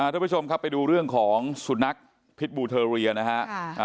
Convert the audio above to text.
ทุกผู้ชมครับไปดูเรื่องของสุนัขพิษบูเทอเรียนะฮะ